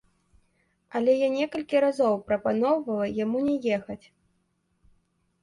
Але я некалькі разоў прапаноўвала яму не ехаць.